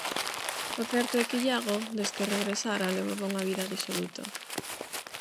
O certo é que Iago, des que regresara, levaba unha vida disoluta.